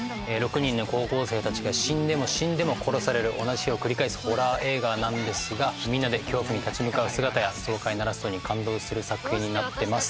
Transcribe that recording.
６人の高校生たちが死んでも死んでも殺される同じ日を繰り返すホラー映画なんですがみんなで恐怖に立ち向かう姿や爽快なラストに感動する作品になってます。